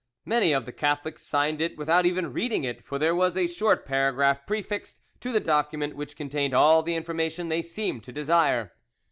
Many of the Catholics signed it without even reading it, for there was a short paragraph prefixed to the document which contained all the information they seemed to desire.